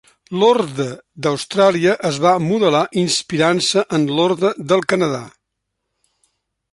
L'Orde d'Austràlia es va modelar inspirant-se en l'Orde del Canadà.